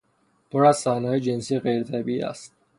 فیلم پر از صحنههای جنسی غیرطبیعی است.